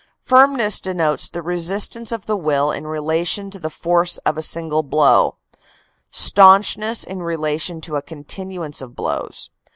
Firmness denotes the resistance of the will in relation to the force of a single blow, staunchness in relation to a continuance of blows.